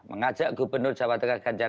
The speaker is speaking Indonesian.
mengajak gubernur jawa tengah ganjar